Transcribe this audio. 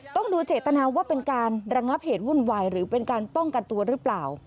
ต้องดูเจตนาว่าเป็นการระงับเหตุวุ่นวายหรือเป็นการป้องกันตัวหรือเปล่า